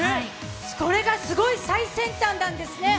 これがすごい最先端なんですね。